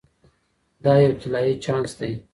دا یو طلایی چانس دی.